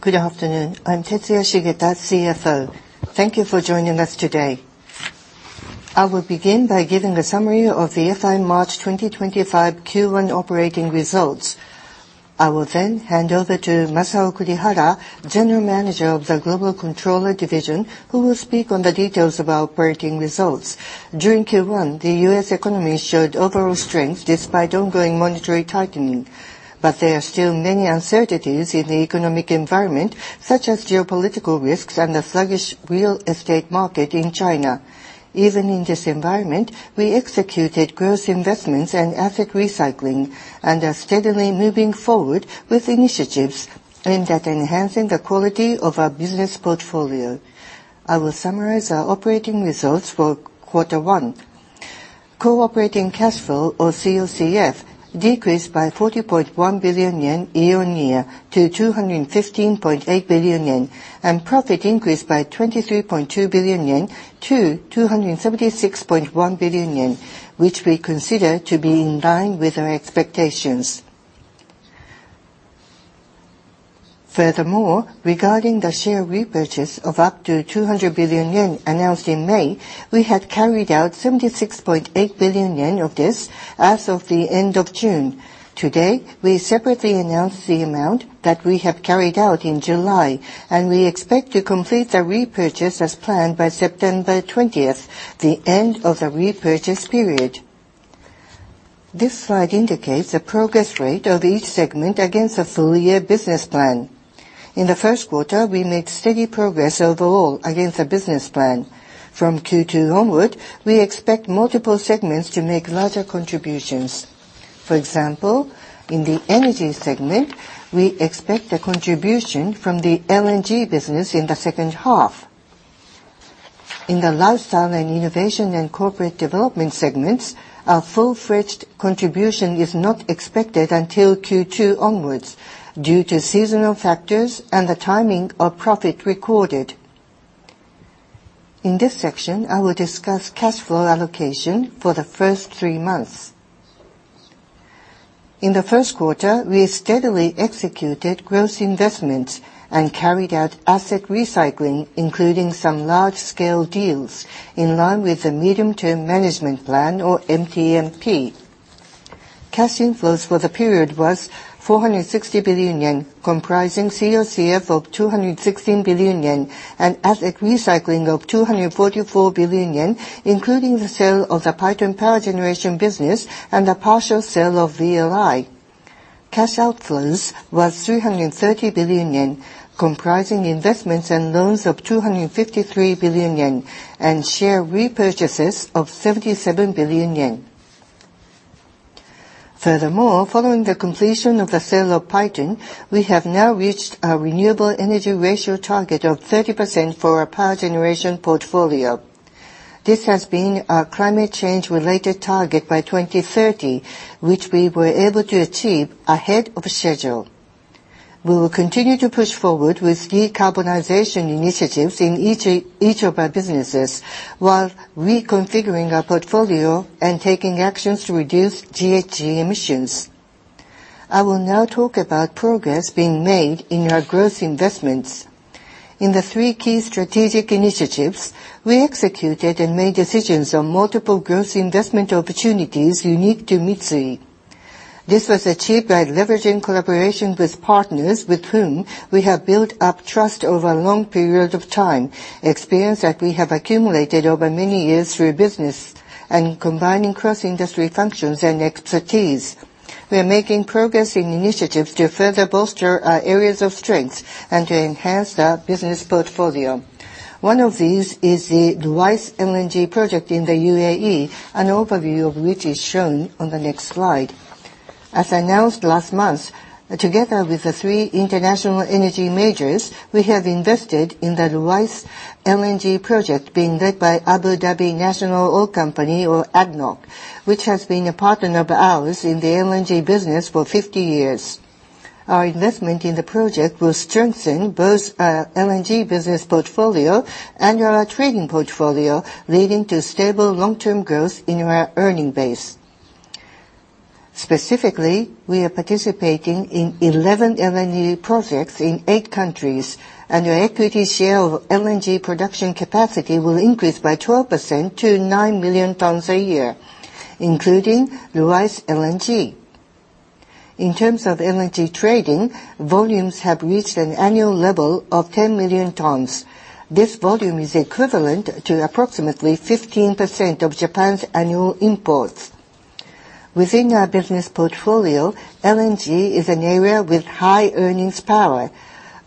Good afternoon. I'm Tetsuya Shigeta, CFO. Thank you for joining us today. I will begin by giving a summary of the FY March 2025 Q1 operating results. I will then hand over to Masao Kurihara, General Manager of the Global Controller Division, who will speak on the details of our operating results. During Q1, the U.S. economy showed overall strength despite ongoing monetary tightening, but there are still many uncertainties in the economic environment, such as geopolitical risks and the sluggish real estate market in China. Even in this environment, we executed growth investments and asset recycling, and are steadily moving forward with initiatives aimed at enhancing the quality of our business portfolio. I will summarize our operating results for quarter one. Core operating cash flow, or COCF, decreased by 40.1 billion yen year-on-year to 215.8 billion yen, and profit increased by 23.2 billion yen to 276.1 billion yen, which we consider to be in line with our expectations. Furthermore, regarding the share repurchase of up to 200 billion yen announced in May, we have carried out 76.8 billion yen of this as of the end of June. Today, we separately announced the amount that we have carried out in July, and we expect to complete the repurchase as planned by September twentieth, the end of the repurchase period. This slide indicates the progress rate of each segment against the full-year business plan. In the first quarter, we made steady progress overall against the business plan. From Q2 onward, we expect multiple segments to make larger contributions. For example, in the energy segment, we expect a contribution from the LNG business in the second half. In the lifestyle and innovation and corporate development segments, a full-fledged contribution is not expected until Q2 onwards due to seasonal factors and the timing of profit recorded. In this section, I will discuss cash flow allocation for the first three months. In the first quarter, we steadily executed growth investments and carried out asset recycling, including some large-scale deals, in line with the medium-term management plan, or MTMP. Cash inflows for the period was 460 billion yen, comprising COCF of 216 billion yen and asset recycling of 244 billion yen, including the sale of the Paiton power generation business and the partial sale of VLI. Cash outflows was 330 billion yen, comprising investments and loans of 253 billion yen and share repurchases of 77 billion yen. Furthermore, following the completion of the sale of Python, we have now reached our renewable energy ratio target of 30% for our power generation portfolio. This has been our climate change-related target by 2030, which we were able to achieve ahead of schedule. We will continue to push forward with decarbonization initiatives in each of our businesses, while reconfiguring our portfolio and taking actions to reduce GHG emissions. I will now talk about progress being made in our growth investments. In the three key strategic initiatives, we executed and made decisions on multiple growth investment opportunities unique to Mitsui. This was achieved by leveraging collaboration with partners with whom we have built up trust over a long period of time, experience that we have accumulated over many years through business, and combining cross-industry functions and expertise. We are making progress in initiatives to further bolster our areas of strength and to enhance the business portfolio. One of these is the Ruwais LNG project in the UAE, an overview of which is shown on the next slide. As announced last month, together with the three international energy majors, we have invested in the Ruwais LNG project being led by Abu Dhabi National Oil Company, or ADNOC, which has been a partner of ours in the LNG business for 50 years. Our investment in the project will strengthen both our LNG business portfolio and our trading portfolio, leading to stable long-term growth in our earning base. Specifically, we are participating in 11 LNG projects in 8 countries, and our equity share of LNG production capacity will increase by 12% to 9 million tons a year, including Ruwais LNG. In terms of LNG trading, volumes have reached an annual level of 10 million tons. This volume is equivalent to approximately 15% of Japan's annual imports. Within our business portfolio, LNG is an area with high earnings power.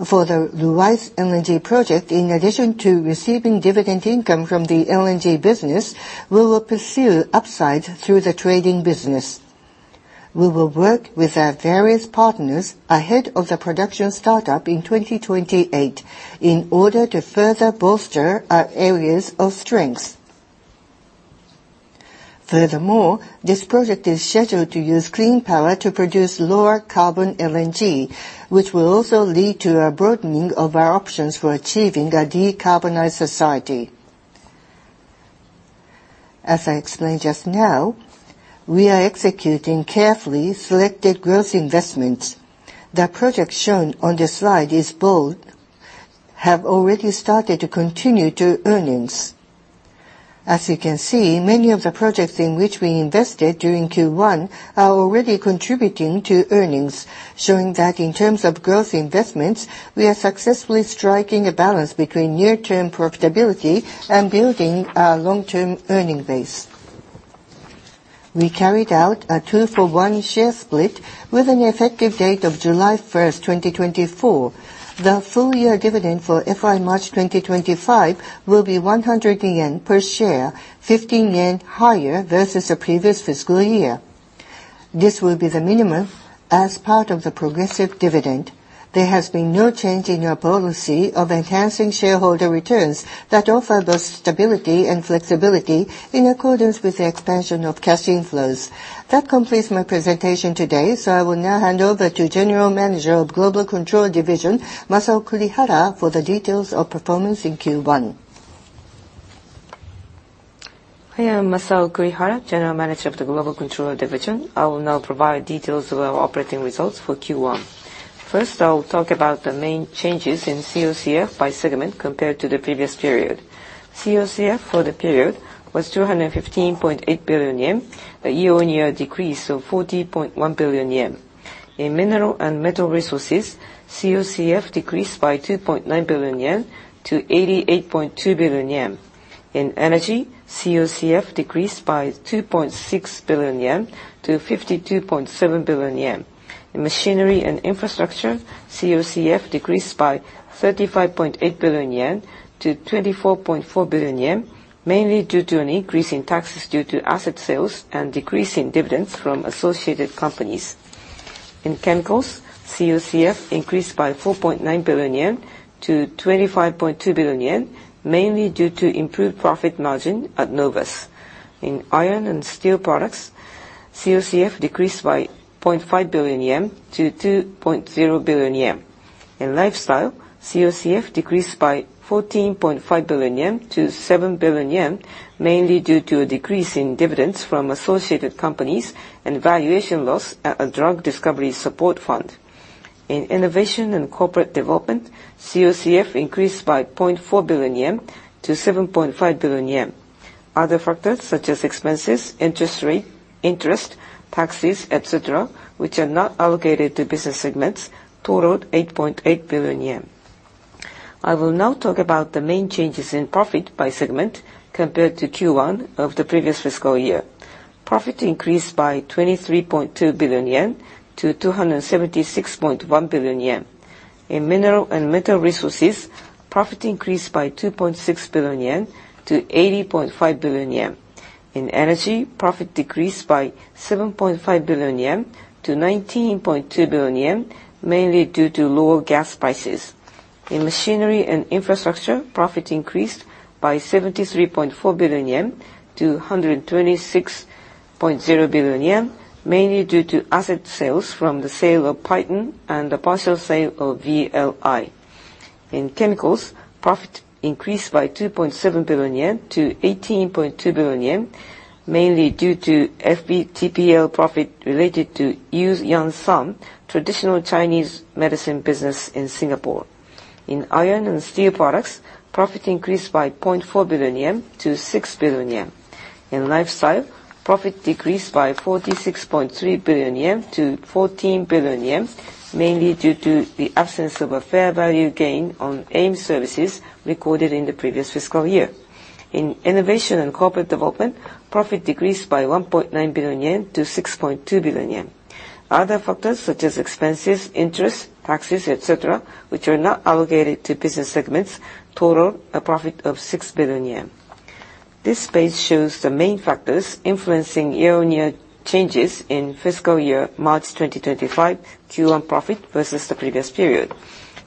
For the Ruwais LNG project, in addition to receiving dividend income from the LNG business, we will pursue upside through the trading business. We will work with our various partners ahead of the production startup in 2028 in order to further bolster our areas of strength. Furthermore, this project is scheduled to use clean power to produce lower carbon LNG, which will also lead to a broadening of our options for achieving a decarbonized society. As I explained just now, we are executing carefully selected growth investments. The project shown on the slide is bold, have already started to continue to earnings. As you can see, many of the projects in which we invested during Q1 are already contributing to earnings, showing that in terms of growth investments, we are successfully striking a balance between near-term profitability and building our long-term earning base. We carried out a two-for-one share split with an effective date of July 1st, 2024. The full year dividend for FY March 2025 will be 100 yen per share, 15 yen higher versus the previous fiscal year. This will be the minimum as part of the progressive dividend. There has been no change in our policy of enhancing shareholder returns that offer both stability and flexibility in accordance with the expansion of cash inflows. That completes my presentation today, so I will now hand over to General Manager of the Global Controller Division, Masao Kurihara, for the details of performance in Q1. I am Masao Kurihara, General Manager of the Global Controller Division. I will now provide details of our operating results for Q1. First, I will talk about the main changes in COCF by segment compared to the previous period. COCF for the period was 215.8 billion yen, a year-on-year decrease of 40.1 billion yen. In Mineral and Metal Resources, COCF decreased by 2.9 billion yen to 88.2 billion yen. In Energy, COCF decreased by 2.6 billion yen to 52.7 billion yen. In Machinery and Infrastructure, COCF decreased by 35.8 billion yen to 24.4 billion yen, mainly due to an increase in taxes due to asset sales and decrease in dividends from associated companies. In Chemicals, COCF increased by 4.9 billion yen to 25.2 billion yen, mainly due to improved profit margin at Novus. In Iron and Steel Products, COCF decreased by 0.5 billion yen to 2.0 billion yen. In Lifestyle, COCF decreased by 14.5 billion yen to 7 billion yen, mainly due to a decrease in dividends from associated companies and valuation loss at a drug discovery support fund. In Innovation and Corporate Development, COCF increased by 0.4 billion yen to 7.5 billion yen. Other factors such as expenses, interest rate, interest, taxes, et cetera, which are not allocated to business segments, totaled 8.8 billion yen. I will now talk about the main changes in profit by segment compared to Q1 of the previous fiscal year. Profit increased by 23.2 billion yen to 276.1 billion yen. In Mineral and Metal Resources, profit increased by 2.6 billion yen to 80.5 billion yen. In Energy, profit decreased by 7.5 billion yen to 19.2 billion yen, mainly due to lower gas prices. In Machinery and Infrastructure, profit increased by 73.4 billion yen to 126.0 billion yen, mainly due to asset sales from the sale of Python and the partial sale of VLI. In Chemicals, profit increased by 2.7 billion yen to 18.2 billion yen, mainly due to FVTPL profit related to Eu Yan Sang Traditional Chinese Medicine business in Singapore. In Iron and Steel Products, profit increased by 0.4 billion yen to 6 billion yen. In Lifestyle, profit decreased by 46.3 billion yen to 14 billion yen, mainly due to the absence of a fair value gain on AIM Services recorded in the previous fiscal year. In Innovation and Corporate Development, profit decreased by 1.9 billion yen to 6.2 billion yen. Other factors such as expenses, interest, taxes, et cetera, which are not allocated to business segments, total a profit of 6 billion yen. This page shows the main factors influencing year-on-year changes in fiscal year March 2025 Q1 profit versus the previous period.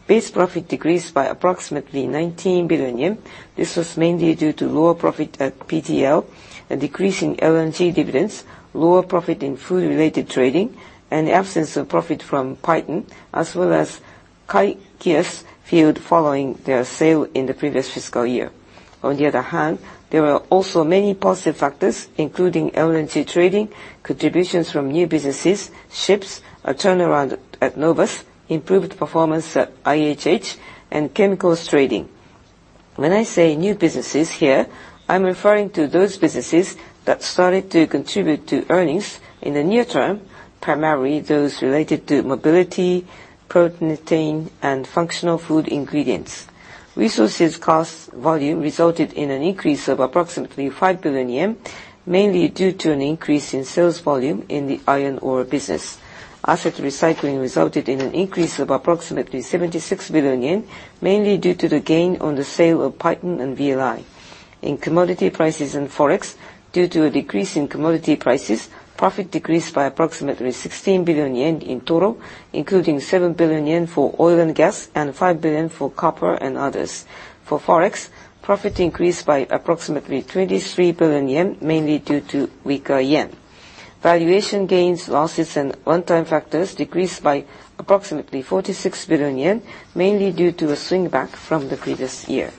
Base profit decreased by approximately 19 billion yen. This was mainly due to lower profit at PTL, a decrease in LNG dividends, lower profit in food-related trading, and absence of profit from Python, as well as K2 Field following their sale in the previous fiscal year. On the other hand, there were also many positive factors, including LNG trading, contributions from new businesses, ships, a turnaround at Novus, improved performance at IHH, and chemicals trading. When I say new businesses here, I'm referring to those businesses that started to contribute to earnings in the near term, primarily those related to mobility, protein, and functional food ingredients. Resources cost volume resulted in an increase of approximately 5 billion yen, mainly due to an increase in sales volume in the iron ore business. Asset recycling resulted in an increase of approximately 76 billion yen, mainly due to the gain on the sale of Python and VLI. In commodity prices and Forex, due to a decrease in commodity prices, profit decreased by approximately 16 billion yen in total, including 7 billion yen for oil and gas and 5 billion for copper and others. For Forex, profit increased by approximately 23 billion yen, mainly due to weaker yen. Valuation gains, losses, and one-time factors decreased by approximately 46 billion yen, mainly due to a swing back from the previous year.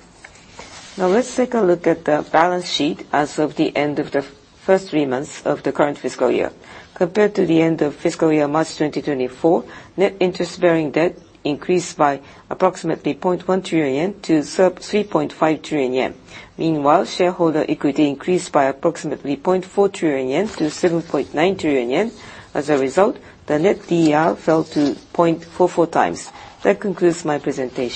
Now, let's take a look at the balance sheet as of the end of the first three months of the current fiscal year. Compared to the end of fiscal year March 2024, net interest-bearing debt increased by approximately 0.1 trillion yen to 3.5 trillion yen. Meanwhile, shareholder equity increased by approximately 0.4 trillion yen to 7.9 trillion yen. As a result, the Net DER fell to 0.44 times. That concludes my presentation.